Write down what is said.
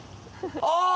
ああ。